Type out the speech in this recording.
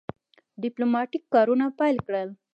ډیپلوماټیک کارونه پیل کړل.